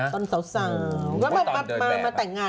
ตอนสาวสาว